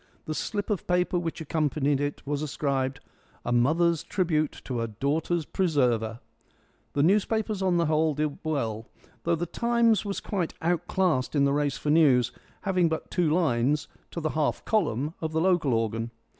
The slip of paper which accompanied it was inscribed "A mother's tribute to her daughter's presserver". The newspapers on the whole did well, though the Times was quite outclassed in the race for news, having but two lines to the half column of the local organ.